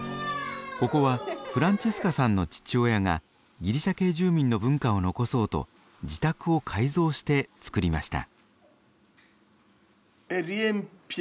ここはフランチェスカさんの父親がギリシャ系住民の文化を残そうと自宅を改造して作りました。